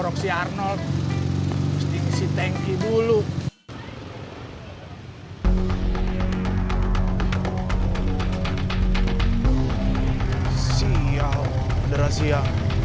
yang penting motornya